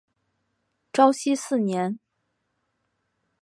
绍熙四年。